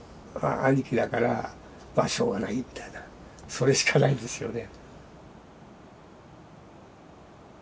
それしかないんですよね。